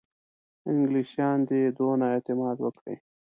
انګلیسیان دي دونه اعتماد وکړي.